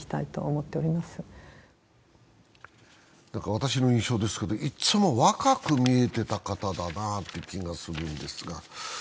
私の印象ですけど、いつも若く見えていたなという印象ですが。